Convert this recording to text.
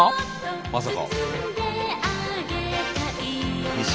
まさか。